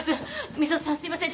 美里さんすみません